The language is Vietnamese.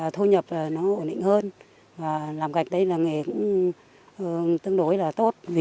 thu nhập ổn định hơn làm gạch tương đối tốt